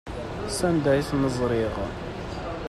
S anda i ten-ẓṛiɣ.